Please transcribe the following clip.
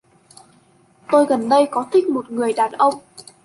Tôi gần đây có thích một người đàn ông